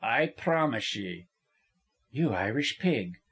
I promise ye." "You Irish pig!"